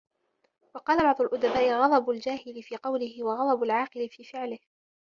وَقَالَ بَعْضُ الْأُدَبَاءِ غَضَبُ الْجَاهِلِ فِي قَوْلِهِ ، وَغَضَبُ الْعَاقِلِ فِي فِعْلِهِ